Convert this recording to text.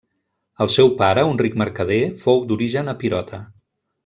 El seu pare, un ric mercader, fou d'origen epirota.